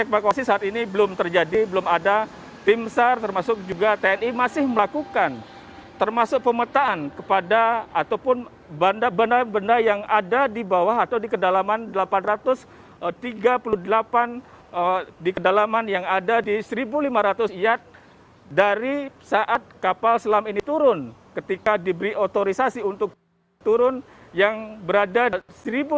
proses evakuasi saat ini belum terjadi belum ada tim sar termasuk juga tni masih melakukan termasuk pemetaan kepada ataupun benda benda yang ada di bawah atau di kedalaman delapan ratus tiga puluh delapan di kedalaman yang ada di seribu lima ratus iat dari saat kapal selam ini turun ketika diberi otorisasi untuk turun yang berada seribu lima ratus iat di selatan saat kapal ini turun